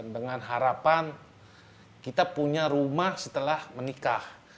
dengan harapan kita punya rumah setelah menikah